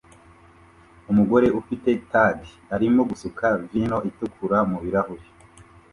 Umugore ufite tagi arimo gusuka vino itukura mubirahure